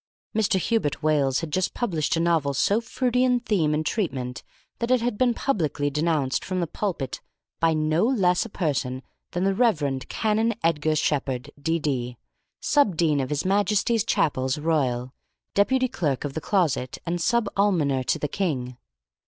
Mr. Hubert Wales had just published a novel so fruity in theme and treatment that it had been publicly denounced from the pulpit by no less a person than the Rev. Canon Edgar Sheppard, D.D., Sub Dean of His Majesty's Chapels Royal, Deputy Clerk of the Closet and Sub Almoner to the King.